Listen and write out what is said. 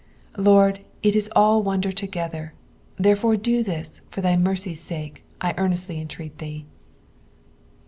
Lord, it is all wonder together, therefore do this, for thy mercy's aake, I earnestly entreat thee.